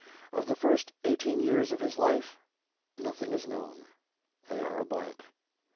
Of the first eighteen years of his life nothing is known. They are a blank.